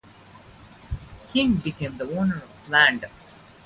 The King became the owner of the land.